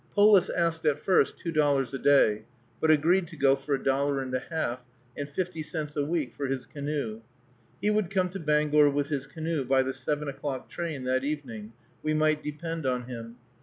Polis asked at first two dollars a day, but agreed to go for a dollar and a half, and fifty cents a week for his canoe. He would come to Bangor with his canoe by the seven o'clock train that evening, we might depend on him.